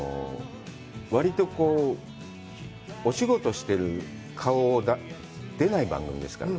割りとこうお仕事してる顔出ない番組ですから。